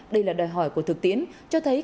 đây là đòi hỏi của thực tiễn cho thấy